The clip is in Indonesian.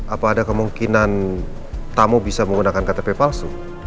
apa ada kemungkinan tamu bisa menggunakan ktp palsu